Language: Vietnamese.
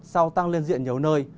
sau tăng lên diện nhiều nơi